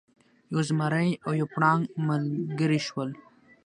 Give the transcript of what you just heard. یو زمری او یو پړانګ ملګري شول.